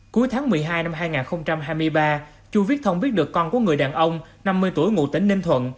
cuối tháng một mươi hai năm hai nghìn hai mươi ba chu viết thông biết được con của người đàn ông năm mươi tuổi ngụ tỉnh ninh thuận